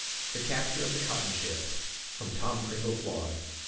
THE CAPTURE OF THE COTTON SHIP (From Tom Cringle's Log.)